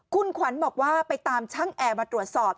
คุณขวัญบอกว่าไปตามช่างแอร์มาตรวจสอบ